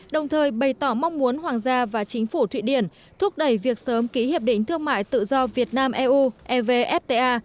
đồng thời bày tỏ mong muốn hoàng gia và chính phủ thụy điển thúc đẩy việc sớm ký hiệp định thương mại tự do việt nam eu evfta